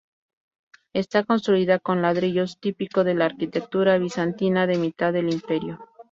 Está construida con ladrillos, típico de la arquitectura bizantina de mitad del Imperio.